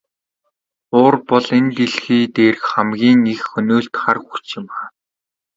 Уур бол энэ дэлхий дээрх хамгийн их хөнөөлт хар хүч юм.